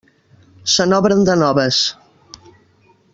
Se n'obren de noves.